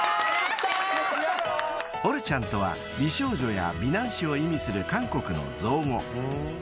［「オルチャン」とは美少女や美男子を意味する韓国の造語］